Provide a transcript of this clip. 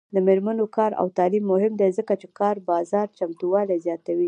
د میرمنو کار او تعلیم مهم دی ځکه چې کار بازار چمتووالي زیاتوي.